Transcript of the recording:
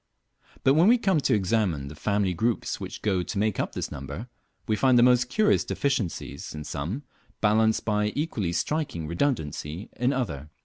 But when we come to examine the family groups which go to make up this number, we find the most curious deficiencies in some, balanced by equally striking redundancy in other.